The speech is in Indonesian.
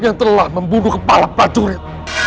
yang telah membunuh kepala prajurit